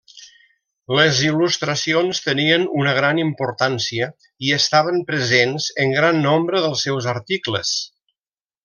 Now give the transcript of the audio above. Les il·lustracions tenien una gran importància i estaven presents en gran nombre dels seus articles.